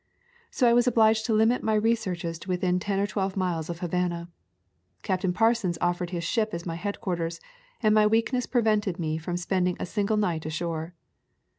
So I was obliged to limit my re searches to within ten or twelve miles of Havana. Captain Parsons offered his ship as my headquarters, and my weakness prevented me from spending a single night ashore.